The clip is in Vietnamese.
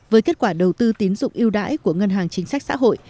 với kết quả đầu tư tín dụng yêu đãi của ngân hàng chính sách xã hội